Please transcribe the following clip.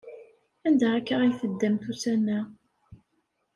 Anda akka ay teddamt ussan-a?